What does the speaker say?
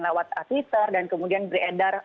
lewat twitter dan kemudian beredar